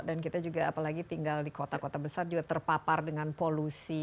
dan kita juga apalagi tinggal di kota kota besar juga terpapar dengan polusi